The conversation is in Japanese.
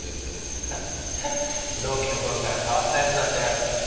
ハハッ同期の頃から変わった奴だったよ。